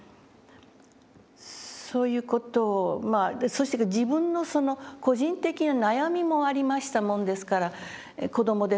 そういう事をまあそして自分の個人的な悩みもありましたもんですから子どもですからですね